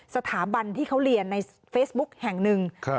สถาบันที่เขาเรียนในเฟซบุ๊กแห่งหนึ่ง